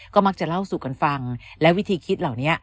ก็มักจะเล่าสู่กันฟังและวิธีคิดเหล่านี้